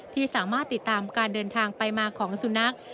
ที่สามารถติดตามการเดินทางไปมาของสุนัข